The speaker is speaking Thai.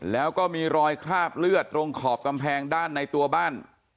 แล้วก็มีรอยคราบเลือดตรงขอบกำแพงด้านในตัวบ้าน